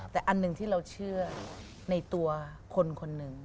แต่อันหนึ่งที่เราเชื่อในตัวคนคนหนึ่ง